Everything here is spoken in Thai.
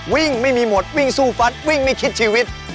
ไม่มีหมดวิ่งสู้ฟัดวิ่งไม่คิดชีวิต